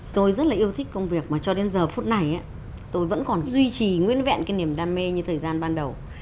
tôi rất là yêu thích công việc mà cho đến giờ phút này tôi vẫn còn duy trì nguyên vẹn cái niềm đam mê như thời gian ban đầu